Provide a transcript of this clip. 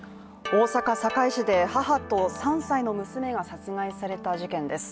大阪・堺市で母と３歳の娘が殺害された事件です。